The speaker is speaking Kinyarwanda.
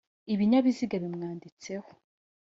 ibinyabiziga bimwanditseho